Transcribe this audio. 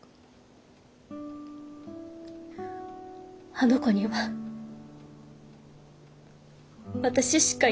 あの子には私しかいないんです。